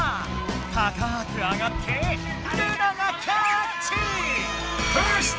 たかく上がってルナがキャーッチ！